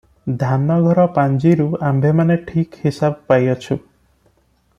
ଧାନଘର ପାଞ୍ଜିରୁ ଆମ୍ଭେମାନେ ଠିକ୍ ହିସାବ ପାଇଅଛୁ ।